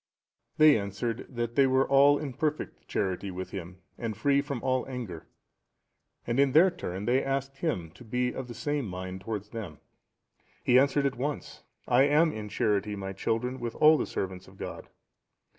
They answered, that they were all in perfect charity with him, and free from all anger; and in their turn they asked him to be of the same mind towards them. He answered at once, "I am in charity, my children, with all the servants of God."